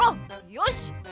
よし！